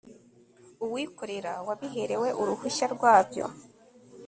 uwikorera wabiherewe uruhushya rwabyo